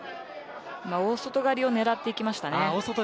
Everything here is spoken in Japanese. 大外刈を狙っていきました。